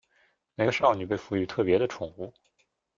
每个少女被赋与特别的宠物。